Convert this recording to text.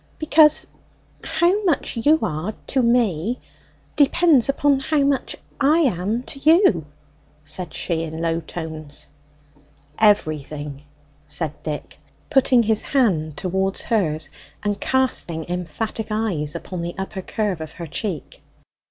"Because how much you are to me depends upon how much I am to you," said she in low tones. "Everything," said Dick, putting his hand towards hers, and casting emphatic eyes upon the upper curve of her cheek.